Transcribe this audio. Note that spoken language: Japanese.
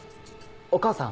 お母さん？